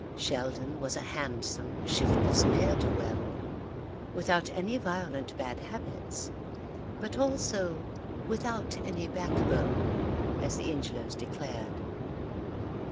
Sheldon was a handsome, shiftless ne'er do well, without any violent bad habits, but also "without any backbone," as the Ingelows declared.